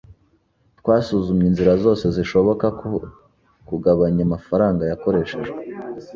Twasuzumye inzira zose zishoboka zo kugabanya amafaranga yakoreshejwe.